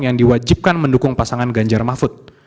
yang diwajibkan mendukung pasangan ganjar mahfud